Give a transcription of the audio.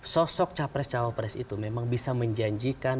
sosok capres cawapres itu memang bisa menjanjikan